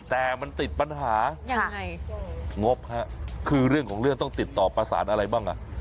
แต่มันติดปัญหายังไงงบฮะคือเรื่องของเรื่องต้องติดต่อประสานอะไรบ้างอ่ะ